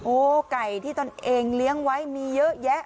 ไก่ที่ตนเองเลี้ยงไว้มีเยอะแยะ